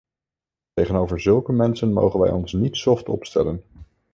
Tegenover zulke mensen mogen wij ons niet soft opstellen.